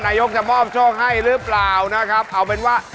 ในตัวเศร้าหรือพิชาพอดเวียนนาน